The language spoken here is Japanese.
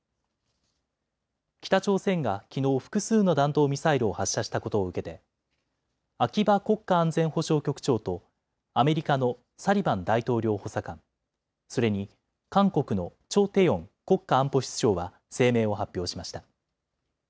北朝鮮がきのう複数の弾道ミサイルを発射したことを受けて秋葉国家安全保障局長とアメリカのサリバン大統領補佐官、それに韓国のチョ・テヨン国家安保室長は声明を発表しました。